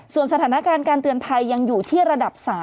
ส่วนสถานการณ์การเตือนภัยยังอยู่ที่ระดับ๓